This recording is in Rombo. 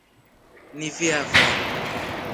Ni fi afa?